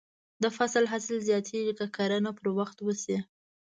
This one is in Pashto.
د فصل حاصل زیاتېږي که کرنه پر وخت وشي.